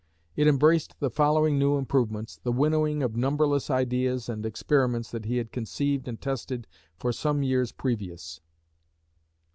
It embraced the following new improvements, the winnowing of numberless ideas and experiments that he had conceived and tested for some years previous: 1.